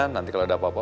nanti kalau ada apa apa